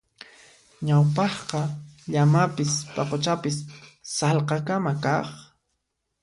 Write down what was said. Ñawpaqqa llamapis paquchapis sallqakama kaq.